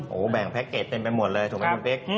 โอ้โหแบ่งแพ็คเกจเต็มไปหมดเลยถูกไหมคุณปิ๊ก